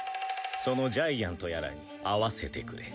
そのジャイアンとやらに会わせてくれ。